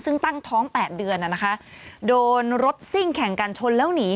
ซึ่งตั้งท้องแปดเดือนนะคะโดนรถซิ่งแข่งกันชนแล้วหนี